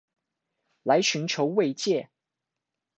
來尋求慰藉